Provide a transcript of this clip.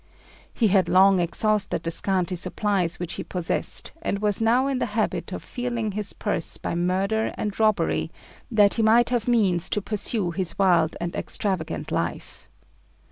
He had long exhausted the scanty supplies which he possessed, and was now in the habit of feeding his purse by murder and robbery, that he might have means to pursue his wild and extravagant life.